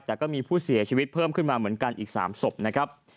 แต่ก็มีผู้เสียชีวิตเพิ่มขึ้นมาเหมือนกันอีก๓ศพนะครับ